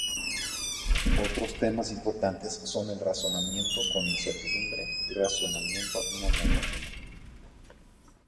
Otros temas importantes son el razonamiento con incertidumbre y razonamiento no monótono.